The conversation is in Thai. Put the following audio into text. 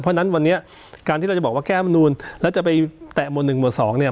เพราะฉะนั้นวันนี้การที่เราจะบอกว่าแก้มนูนแล้วจะไปแตะหมวดหนึ่งหมวดสองเนี่ย